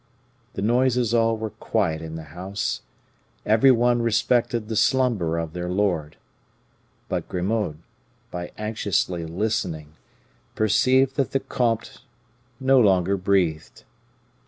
The noises all were quiet in the house every one respected the slumber of their lord. But Grimaud, by anxiously listening, perceived that the comte no longer breathed.